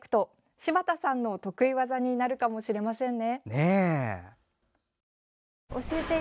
柴田さんの得意技になるかもしれませんね。